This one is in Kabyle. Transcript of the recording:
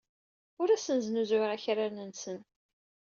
Ur asen-snuzuyeɣ akraren-nsen.